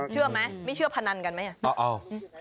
เชื่อไหมไม่เชื่อพนันกันไหม